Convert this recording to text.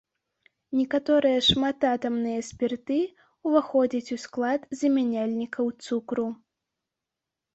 Некаторыя шмататамныя спірты ўваходзяць у склад замяняльнікаў цукру.